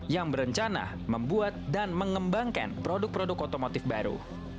yang berencana membuat dan mengembangkan produk produk otomotif baru